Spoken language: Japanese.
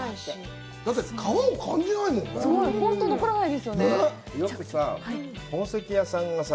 だって皮を感じないもんね。